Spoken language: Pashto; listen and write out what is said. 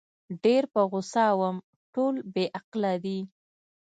ډېر په غوسه وم، ټول بې عقله دي.